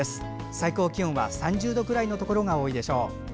最高気温は３０度くらいのところが多いでしょう。